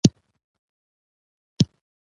د شیانو جوړښت او ترکیب احساسوي.